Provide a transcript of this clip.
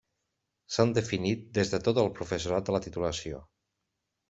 S’han definit des de tot el professorat de la titulació.